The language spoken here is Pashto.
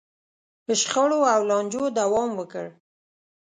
شخړو او لانجو دوام وکړ.